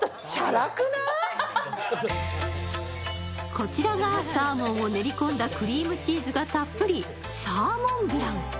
こちらがサーモンを練り込んだクリームチーズがたっぷり、サーモンブラン。